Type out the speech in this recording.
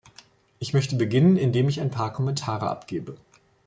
Ich möchte beginnen, indem ich ein paar Kommentare abgebe.